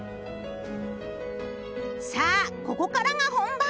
さあここからが本番。